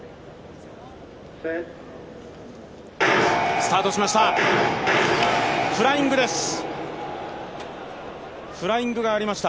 スタートしました。